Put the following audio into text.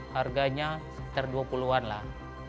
harganya sekitar dua puluh an lah